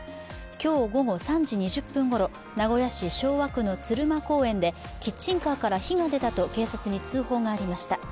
今日午後３時２０分ごろ、名古屋市昭和区の鶴舞公園でキッチンカーから火が出たと通報がありました。